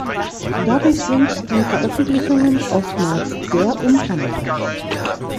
Dadurch sind die Veröffentlichungen oftmals sehr umfangreich.